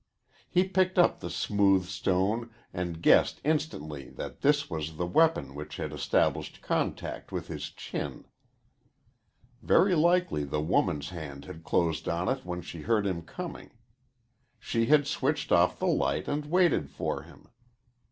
He picked up the smooth stone and guessed instantly that this was the weapon which had established contact with his chin. Very likely the woman's hand had closed on it when she heard him coming. She had switched off the light and waited for him.